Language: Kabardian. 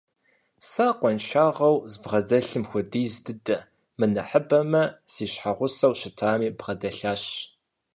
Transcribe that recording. Сэ къуаншагъэу збгъэдэлъым хуэдиз дыдэ, мынэхъыбэмэ, си щхьэгъусэу щытами бгъэдэлъащ.